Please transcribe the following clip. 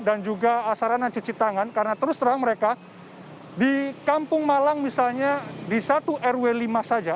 dan juga sarana cuci tangan karena terus terang mereka di kampung malang misalnya di satu rw lima saja